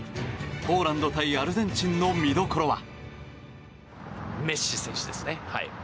ポーランド対アルゼンチンの見どころは？